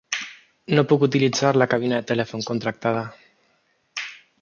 No puc utilitzar la cabina de telèfon contractada.